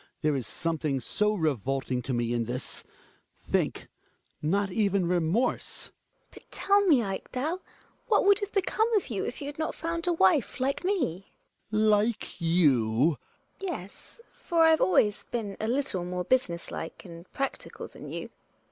There is something so revolting to me in this ! Think — not even remorse. Gina. But tell me, Ekdal, what would have become of you if you had not found a wife like me? Hjalmar. Like you Gina. Yes, for I've always been a little more business like and practical than you.